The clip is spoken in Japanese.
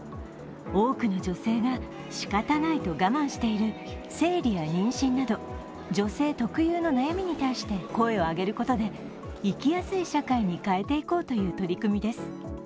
多くの女性が「しかたない」と我慢している生理や妊娠など女性特有の悩みに対して声を上げることで生きやすい社会に変えていこうという取り組みです。